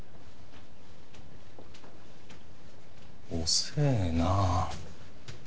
遅えなあ。